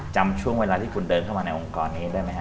จำช่วงเวลาที่คุณเดินเข้ามาในองค์กรนี้ได้ไหมฮ